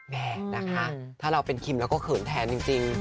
แม่นะคะถ้าเราเป็นคิมเราก็เขินแทนจริง